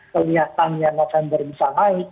kelihatannya november bisa naik